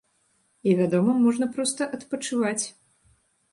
І, вядома, можна проста адпачываць.